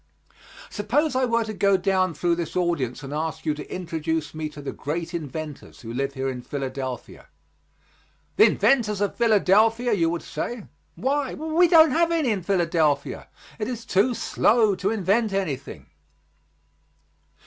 Suppose I were to go down through this audience and ask you to introduce me to the great inventors who live here in Philadelphia. "The inventors of Philadelphia," you would say, "Why we don't have any in Philadelphia. It is too slow to invent anything."